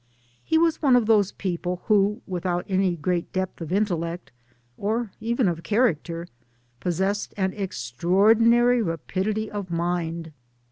He was one of those people who without any great depth of intellect or even of character possessed an extra ordinary rapidity of mind.